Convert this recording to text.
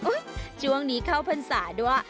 ช่วงนี้เข้าพรรษาด้วย